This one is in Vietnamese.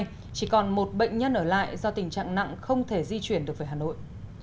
chỉ còn một bệnh nhân ở lại do tình trạng nặng không thể di chuyển được về hà nội